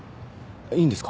いいんですか？